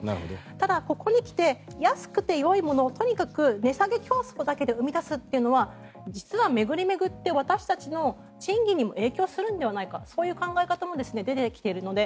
ただ、ここに来て安くてよいものをとにかく値下げ競争だけで生み出すというのは実は巡り巡って私たちの賃金にも影響するのではないかという考え方も出てきているので。